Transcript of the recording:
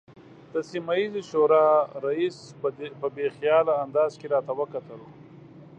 د سیمه ییزې شورا رئیس په بې خیاله انداز کې راته وکتل.